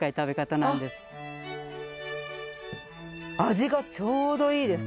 味がちょうどいいです。